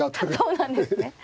そうなんですね。